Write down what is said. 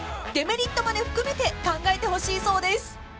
［デメリットまで含めて考えてほしいそうです］